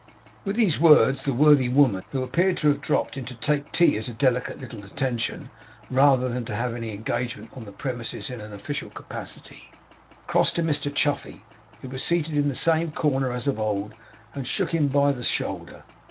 With these words the worthy woman, who appeared to have dropped in to take tea as a delicate little attention, rather than to have any engagement on the premises in an official capacity, crossed to Mr Chuffey, who was seated in the same corner as of old, and shook him by the shoulder.